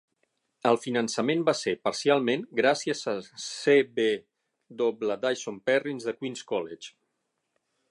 El finançament va ser, parcialment, gràcies a C. W. Dyson Perrins de Queen's College.